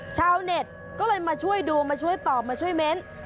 ชาวเน็ตก็เลยมาช่วยดูมาช่วยตอบมาช่วยเม้น